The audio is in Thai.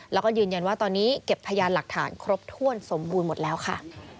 แล้วก็ยืนยันว่าตอนนี้เก็บพยานหลักฐานครบถ้วนสมบูรณ์หมดแล้วค่ะ